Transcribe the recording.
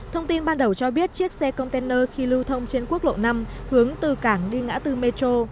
thông tin ban đầu cho biết chiếc xe container khi lưu thông trên quốc lộ năm hướng từ cảng đi ngã tư metro